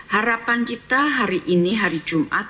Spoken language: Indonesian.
harapan kita hari ini hari jumat